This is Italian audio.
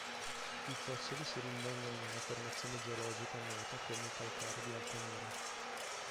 I fossili si rinvengono nella formazione geologica nota come calcare di Altamura.